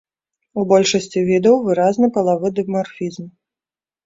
У большасці відаў выразны палавы дымарфізм.